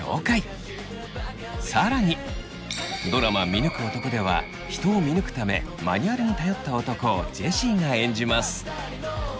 「見抜く男」では人を見抜くためマニュアルに頼った男をジェシーが演じます。